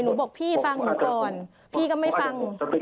หนูบอกพี่ฟังเดี๋ยวที่นึกอย่างเงินทั้งชีวิต